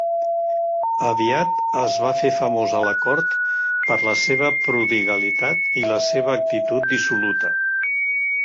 Aviat es va fer famós a la cort per la seva prodigalitat i la seva actitud dissoluta.